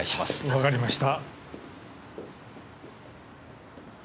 わかりました。